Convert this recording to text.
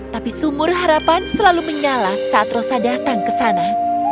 tapi sumur harapan selalu menyala saat rosa datang ke sana